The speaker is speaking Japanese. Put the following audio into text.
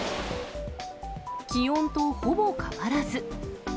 気温とほぼ変わらず。